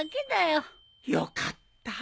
よかった。